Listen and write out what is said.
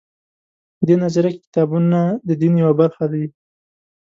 په دې نظریه کې کتابونه د دین یوه برخه دي.